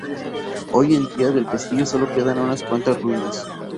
Hoy en día, del castillo solo quedan unas pocas ruinas.